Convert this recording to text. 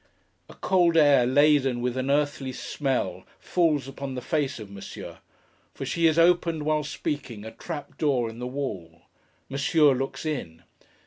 A cold air, laden with an earthy smell, falls upon the face of Monsieur; for she has opened, while speaking, a trap door in the wall. Monsieur looks in.